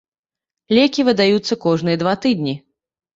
Лекі выдаюцца кожныя два тыдні.